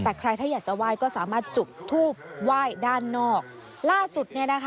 แต่ใครถ้าอยากจะไหว้ก็สามารถจุดทูบไหว้ด้านนอกล่าสุดเนี่ยนะคะ